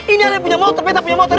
ini ada yang punya motor